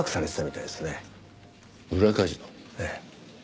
ええ。